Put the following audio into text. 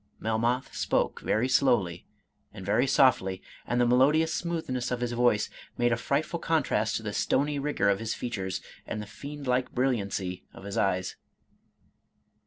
Melmoth spoke ' very slowly and very softly, and the melodious smoothness of his voice made a frightful contrast to the stony rigor of his features, and the fiendlike brilliancy of his eyes.